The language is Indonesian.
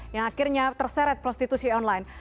yang akhirnya terseret prostitusi online